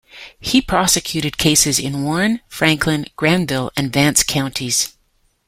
He prosecuted cases in Warren, Franklin, Granville & Vance Counties.